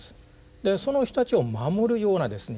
でその人たちを守るようなですね